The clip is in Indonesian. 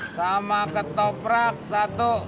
sama ketoprak satu